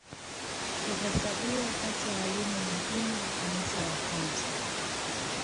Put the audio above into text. Huhesabiwa kati ya walimu muhimu wa Kanisa la kwanza.